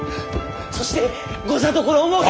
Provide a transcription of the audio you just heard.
そして御座所を設け。